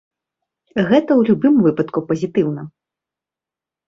Гэта ў любым выпадку пазітыўна.